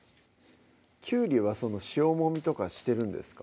きゅうりは塩もみとかしてるんですか？